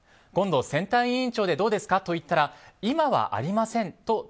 今度、選対委員長でどうですか？と言ったら今はありませんと。